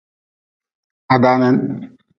Ha danin.